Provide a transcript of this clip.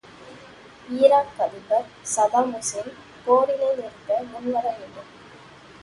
Iraq அதிபர் Saddam Hussein போரினை நிறுத்த முன்வர வேண்டும்.